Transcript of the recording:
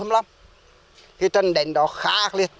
cái trận đánh đó khá ác liệt